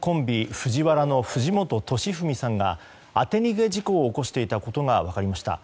ＦＵＪＩＷＡＲＡの藤本敏史さんが当て逃げ事故を起こしていたことが分かりました。